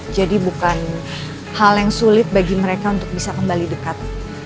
jadi bukan hal yang sulit bagi mereka untuk bisa kembali dekat